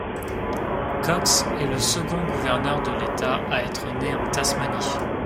Cox est le second gouverneur de l'État à être né en Tasmanie.